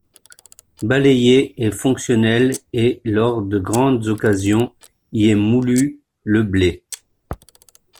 Balayé est fonctionnel et lors de grandes occasions y est moulu le blé.